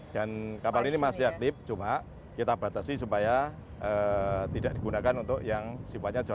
dan kapal ini masih aktif cuma kita batasi supaya tidak digunakan untuk yang simpannya diperlukan